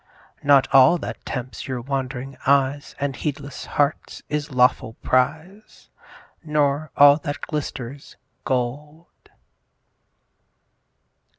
Not all that tempts your wand'ring eyes And heedless hearts, is lawful prize; Nor all that glisters, gold.